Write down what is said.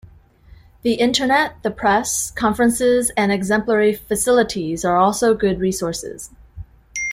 The Internet, the press, conferences and exemplary facilities are also good resources.